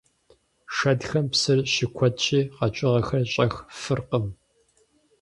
Шэдхэм псыр щыкуэдщи, къэкӀыгъэхэр щӀэх фыркъым.